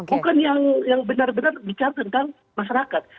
bukan yang benar benar bicara tentang masyarakat